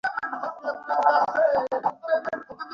সেই কাজটি যথাযথভাবে পলিত হলে বুড়িগঙ্গার দশা দিনে দিনে খারাপ হতো না।